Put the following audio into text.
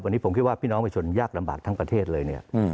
วันนี้ผมคิดว่าพี่น้องประชาชนยากลำบากทั้งประเทศเลยเนี่ย